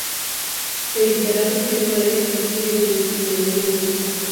Se evitará, respecto a ellos, todo signo de discriminación injusta.